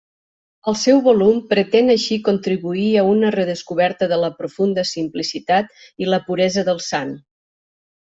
El seu volum pretén així contribuir a una redescoberta de la profunda simplicitat i la puresa del sant.